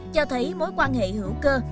cho thấy mối quan hệ hữu cơ